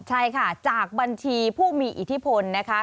ใช่ค่ะจากบัญชีผู้มีอิทธิพลนะคะ